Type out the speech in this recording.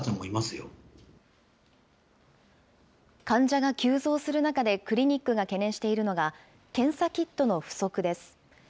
患者が急増する中でクリニックが懸念しているのが、検査キットの不足です。